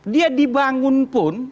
dia dibangun pun